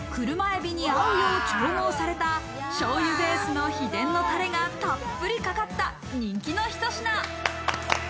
車海老に合うよう調合された醤油ベースの秘伝のタレがたっぷりかかった人気のひと品。